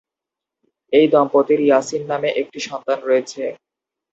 এই দম্পতির ইয়াসিন নামে এটি সন্তান রয়েছে।